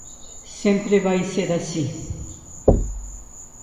Sempre vai ser así.